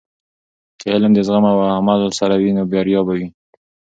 که علم د زغم او عمل سره وي، نو بریا به وي.